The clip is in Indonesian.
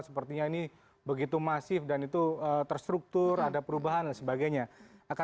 sepertinya ini begitu masif dan itu terstruktur ada perubahan dan sebagainya